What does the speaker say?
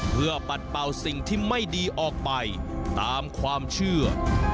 เพื่อปัดเป่าสิ่งที่ไม่ดีออกไปตามความเชื่อ